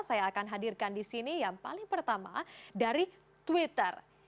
saya akan hadirkan di sini yang paling pertama dari twitter